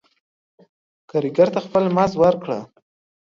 کاريګر ته خپل مز ور